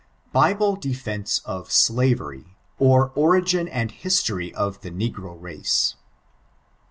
] "Bible Dxfeicos of Slavery, or Orioiit akd History of the Nkoro Race."